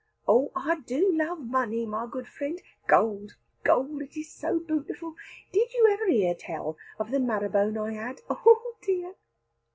"Oh, I do love money, my good friend; gold, gold, it is so bootiful. Did you ever hear tell of the marrow bone I had? Oh dear!"